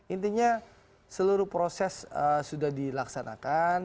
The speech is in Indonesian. intinya seluruh proses sudah dilaksanakan